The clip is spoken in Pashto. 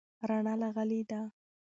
رڼا راغلې ده.